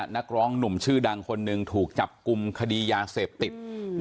นักร้องหนุ่มชื่อดังคนหนึ่งถูกจับกลุ่มคดียาเสพติด